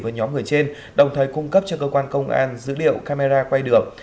anh đỉnh đã đưa anh thành về trên đồng thời cung cấp cho cơ quan công an dữ liệu camera quay được